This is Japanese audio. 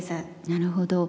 なるほど。